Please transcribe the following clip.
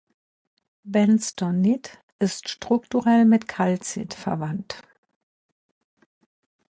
Benstonit ist strukturell mit Calcit verwandt.